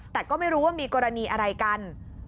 แต่ก็ไม่รู้ว่ามีกรณีอะไรกัน